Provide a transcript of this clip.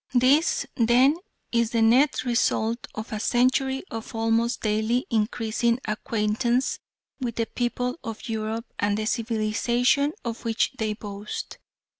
This, then, is the net result of a century of almost daily increasing acquaintance with the people of Europe and the civilisation of which they boast.